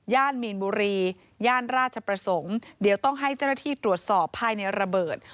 มีนบุรีย่านราชประสงค์เดี๋ยวต้องให้เจ้าหน้าที่ตรวจสอบภายในระเบิด